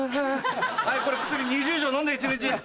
はいこれ薬２０錠飲んで一日。